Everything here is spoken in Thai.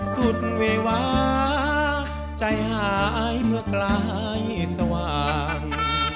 สุดเววาใจหายเมื่อกลายสว่าง